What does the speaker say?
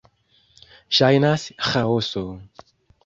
Ŝajnas ĥaoso...